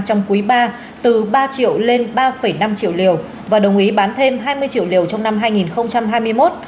trong quý ba từ ba triệu lên ba năm triệu liều và đồng ý bán thêm hai mươi triệu liều trong năm hai nghìn hai mươi một